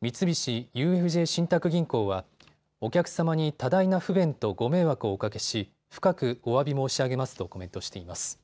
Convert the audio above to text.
三菱ＵＦＪ信託銀行はお客様に多大な不便とご迷惑をおかけし深くおわび申し上げますとコメントしています。